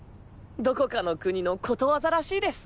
どこかの国のことわざらしいです。